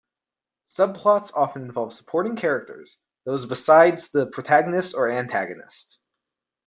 Subplots often involve supporting characters, those besides the protagonist or antagonist.